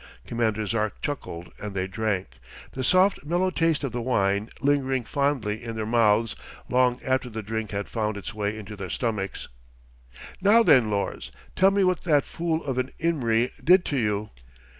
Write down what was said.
Commander Zark chuckled and they drank, the soft, mellow taste of the wine lingering fondly in their mouths long after the drink had found its way into their stomachs. "Now then, Lors. Tell me what that fool of an Imry did to you."